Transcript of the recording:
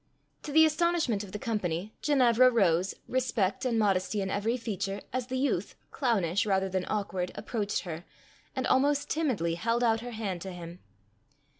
To the astonishment of the company, Ginevra rose, respect and modesty in every feature, as the youth, clownish rather than awkward, approached her, and almost timidly held out her hand to him.